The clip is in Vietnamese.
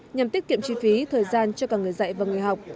nhằm tiết kiệm chi phí thời gian cho cả người dạy và người học